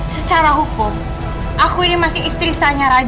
secara hukum aku ini masih istri saya raja